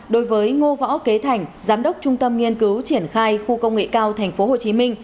đối với ngô võ kế thành giám đốc trung tâm nghiên cứu triển khai khu công nghệ cao tp hcm